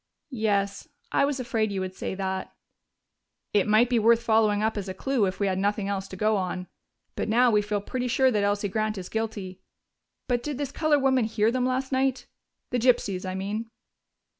"Yes, I was afraid you would say that." "It might be worth following up as a clue if we had nothing else to go on. But now we feel pretty sure that Elsie Grant is guilty.... But did this colored woman hear them last night the gypsies, I mean?"